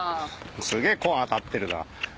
すげぇコーン当たってるな。